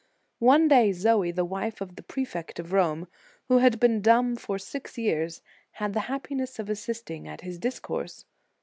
One day Zoe, the wife of the prefect of Rome, who had been dumb for six years, had the happiness of assisting at his discourse.